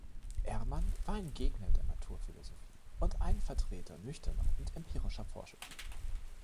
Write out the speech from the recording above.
Erman war ein Gegner der Naturphilosophie und ein Vertreter nüchterner und empirischer Forschung.